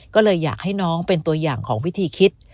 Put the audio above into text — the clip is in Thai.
ก็เลยอยากให้น้องเป็นตัวอย่างของวิธีคิด